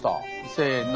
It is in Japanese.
せの。